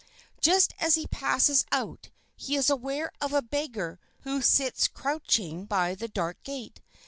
Just as he passes out, he is aware of a beggar who sits crouching by the dark gate.